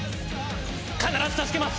必ず助けます！